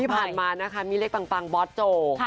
ผ่านมานะคะมีเลขปังบอสโจ